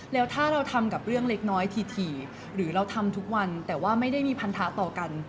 แล้วถ้าเราทำกับเรื่องเล็กน้อยถี่หรือเราทำทุกวันแต่ว่าไม่ได้มีพันธะต่อกัน